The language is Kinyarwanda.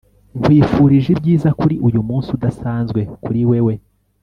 nkwifurije ibyiza kuri uyumunsi udasanzwe kuri wewe